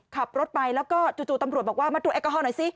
ขับรถไปแล้วก็จู่ตำรวจบอกว่ามาตรวจแอลกอฮอลหน่อยสิ